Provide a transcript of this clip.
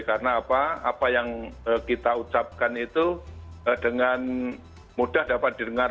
karena apa apa yang kita ucapkan itu dengan mudah dapat didengar